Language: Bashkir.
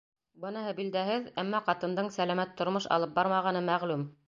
Быныһы билдәһеҙ, әммә ҡатындың сәләмәт тормош алып бармағаны мәғлүм.